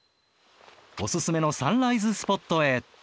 おすすめのサンライズスポットへ。